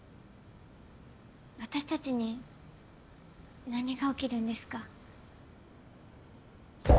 私たちに何が起きるんですか？